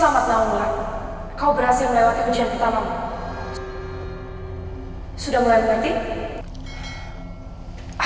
kenapa aku sungguh takut dengannya